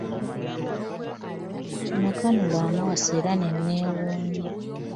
Nakanula amaaso era ne newuunya.